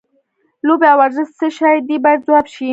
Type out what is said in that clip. لوبې او ورزش څه شی دی باید ځواب شي.